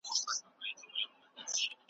مثبت فکر مو د ژوند له کړاوونو لري ساتي.